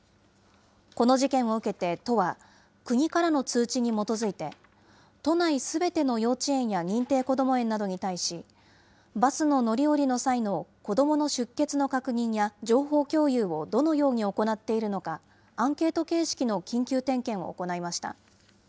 この事件を受けて都は、国からの通知に基づいて、都内すべての幼稚園や認定こども園などに対し、バスの乗り降りの際の子どもの出欠の確認や情報共有をどのように行っているのか、アンケート形式の緊急点検を行いました。